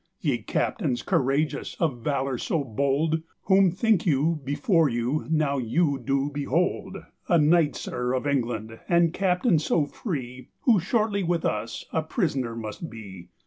"Ye captaines couragious, of valour so bold, Whom thinke you before you now you doe behold?" "A knight, sir, of England, and captaine soe free, Who shortlye with us a prisoner must bee."